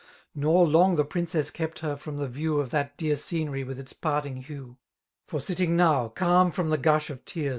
Nor long the princess kept her from the vievr Of that dear scenery with its parting hue;, For sitting now> calm from the gash of tears.